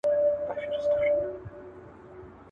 تاسي کولای شئ د ټلسکوپ له لارې سپوږمۍ وګورئ.